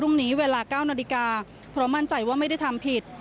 พรุ่งนี้เวลา๙นาฬิกาเพราะมั่นใจว่าไม่ได้ทำผิด